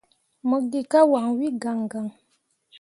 Mo gi ka wanwi gaŋgaŋ.